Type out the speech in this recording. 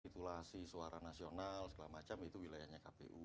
titulasi suara nasional segala macam itu wilayahnya kpu